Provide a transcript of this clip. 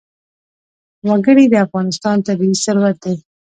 وګړي د افغانستان طبعي ثروت دی.